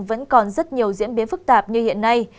vẫn còn rất nhiều diễn biến phức tạp như hiện nay